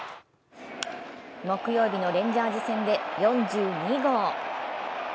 木曜日のレンジャーズ戦で４２号。